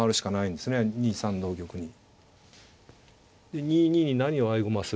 で２二に何を合駒するか。